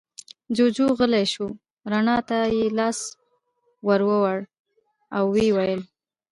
جوجُو غلی شو، رڼا ته يې لاس ور ووړ، ويې ويل: